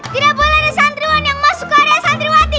tidak boleh ada santriwan yang masuk ke area santriwati